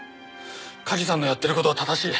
梶さんのやってる事は正しい。